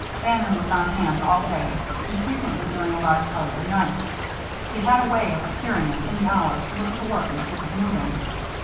Bannon was on hand all day, and frequently during a large part of the night. He had a way of appearing at any hour to look at the work and keep it moving.